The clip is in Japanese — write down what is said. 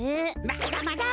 まだまだ！